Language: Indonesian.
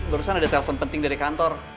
barusan ada telpon penting dari kantor